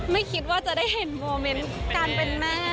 ไม่คิดว่าจะได้เห็นโมเมนต์การเป็นแม่